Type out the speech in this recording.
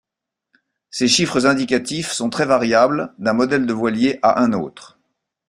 Ces chiffres indicatifs sont très variables d'un modèle de voilier à un autre.